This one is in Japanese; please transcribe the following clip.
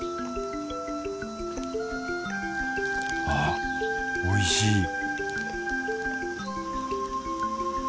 あっおいしい